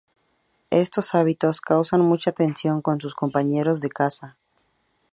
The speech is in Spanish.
Estos hábitos causan mucha tensión con sus dos compañeros de casa.